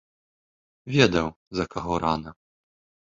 Ведаў, за каго рана.